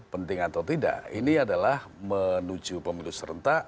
penting atau tidak ini adalah menuju pemilu serentak